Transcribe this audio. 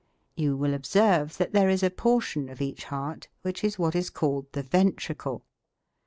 You will observe that there is a portion of each heart which is what is called the ventricle.